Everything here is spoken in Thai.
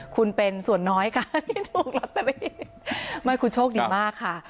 คุณเป็นส่วนน้อยการถูกลอตเตอรี่ไม่คุณโชคดีมากค่ะ